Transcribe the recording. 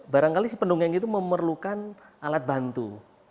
barangkali si pendongeng itu memerlukan alat bantu